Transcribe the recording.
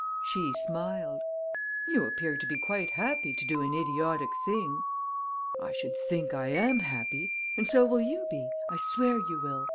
She smiled: "You appear to be quite happy to do an idiotic thing!" "I should think I am happy! And so will you be, I swear you will!